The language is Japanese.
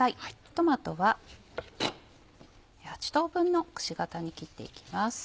トマトは８等分のくし形に切っていきます。